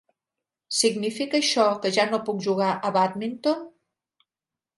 Significa això que ja no puc jugar a bàdminton?